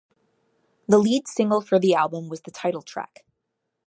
The lead single for the album was the title track.